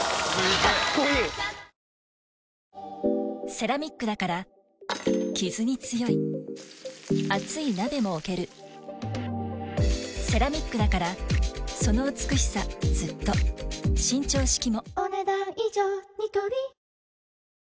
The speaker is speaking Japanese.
セラミックだからキズに強い熱い鍋も置けるセラミックだからその美しさずっと伸長式もお、ねだん以上。